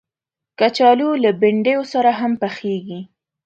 کچالو له بنډیو سره هم پخېږي